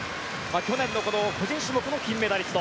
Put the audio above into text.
去年の個人種目の金メダリスト。